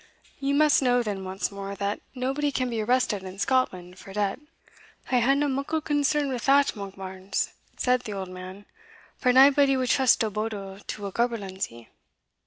You must know then, once more, that nobody can be arrested in Scotland for debt." "I haena muckle concern wi' that, Monkbarns," said the old man, "for naebody wad trust a bodle to a gaberlunzie."